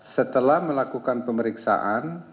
setelah melakukan pemeriksaan